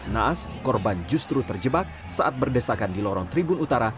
naas korban justru terjebak saat berdesakan di lorong tribun utara